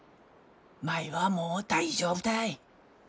舞はもう大丈夫たい。